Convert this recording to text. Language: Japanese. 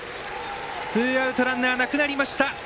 ツーアウトランナーなくなりました。